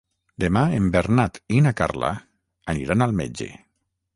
Demà en Bernat i na Carla aniran al metge.